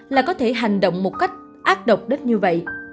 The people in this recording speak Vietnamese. là có thể hành động một cách ác độc đất như vậy